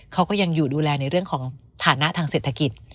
เขาก็ยังอยู่ดูแลในเรื่องของฐานะทางเศรษฐกิจ